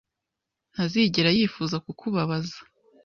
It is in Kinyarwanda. ntazigera yifuza kukubabaza.